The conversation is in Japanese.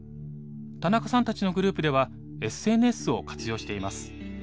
田中さんたちのグループではＳＮＳを活用しています。